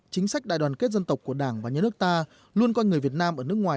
chính sách đại đoàn kết dân tộc của đảng và nhân nước ta luôn coi người việt nam ở nước ngoài